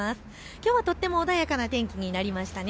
きょうはとても穏やかな天気になりましたね。